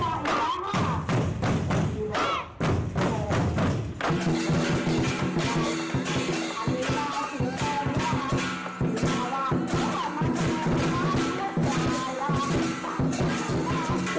อ๋อโอ้โห